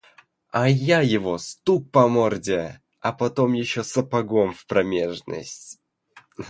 А я его стук по морде, а потом еще сапогом в промежность.